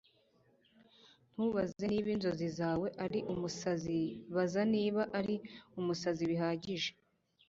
Ntubaze niba inzozi zawe ari umusazi, baza niba ari umusazi bihagije.”